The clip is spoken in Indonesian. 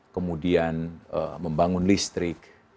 kemudian membangun listrik